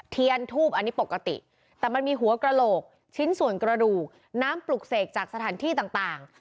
เทียนทูบอันนี้ปกติแต่มันมีหัวกระโหลกชิ้นส่วนกระดูกน้ำปลุกเสกจากสถานที่ต่าง